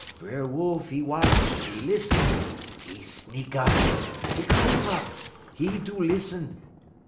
"B'er Wolf 'e watch, 'e lissun; 'e sneak up, 'e creep up, 'e do lissun.